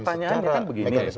pertanyaannya kan begini